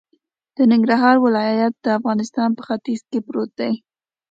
د ننګرهار ولایت د افغانستان په ختیځ کی پروت دی